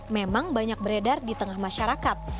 memang banyak beredar di tengah masyarakat